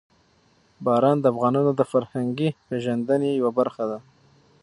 باران د افغانانو د فرهنګي پیژندنې یوه برخه ده.